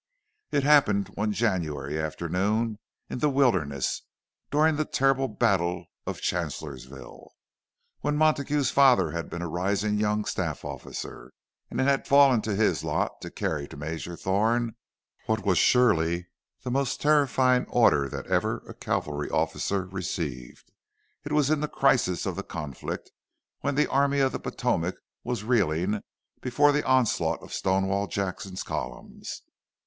It had happened one January afternoon in the Wilderness, during the terrible battle of Chancellorsville, when Montague's father had been a rising young staff officer, and it had fallen to his lot to carry to Major Thorne what was surely the most terrifying order that ever a cavalry officer received. It was in the crisis of the conflict, when the Army of the Potomac was reeling before the onslaught of Stonewall Jackson's columns.